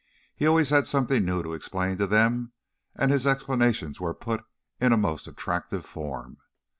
He always had something new to explain to them, and his explanations were put in a most attractive form.